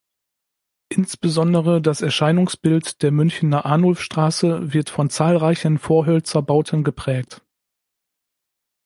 Insbesondere das Erscheinungsbild der Münchener Arnulfstraße wird von zahlreichen Vorhoelzer-Bauten geprägt.